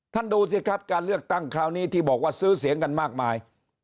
ดูสิครับการเลือกตั้งคราวนี้ที่บอกว่าซื้อเสียงกันมากมาย